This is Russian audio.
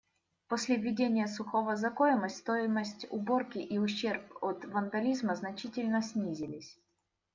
После введения сухого закона стоимость уборки и ущерб от вандализма значительно снизились.